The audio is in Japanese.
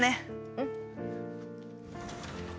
うん。